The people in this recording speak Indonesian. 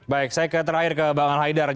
baik saya terakhir ke bang reinhardt